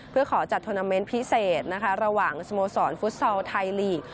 เพื่อขอจัดโทรนเมนต์พิเศษระหว่างสโมสรฟุตเซาท์ไทยลีก